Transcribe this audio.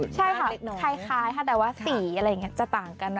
ใช่ค่ะคล้ายค่ะแต่ว่าสีอะไรอย่างนี้จะต่างกันนะ